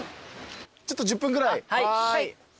ちょっと１０分ぐらい。